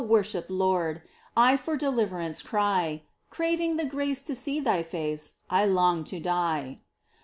worshipped Lord, I for deliverance cry ! Craving the grace to see Thy face, I long to die